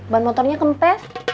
ban motornya kempes